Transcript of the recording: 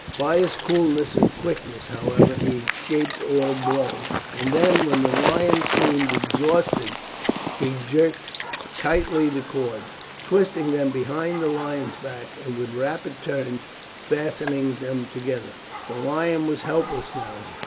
By his coolness and quickness, however, he escaped all the blows, and then, when the lion seemed exhausted, he jerked tightly the cords, twisting them behind the lion's back and with rapid turns fastening them together. The lion was helpless now.